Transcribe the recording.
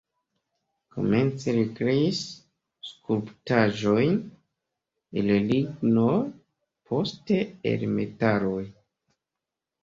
Komence li kreis skulptaĵojn el lignoj, poste el metaloj.